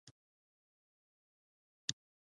د کورنۍ لپاره څه شی اړین دی؟